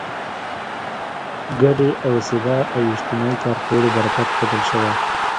ګډې اوسېدا او اجتماعي کار کولو برکت ښودل شوی.